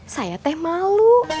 saya teh malu